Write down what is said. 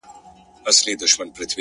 د کسمیر لوري د کابل او د ګواه لوري؛